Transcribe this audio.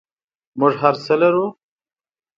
موږ هر څه لرو؟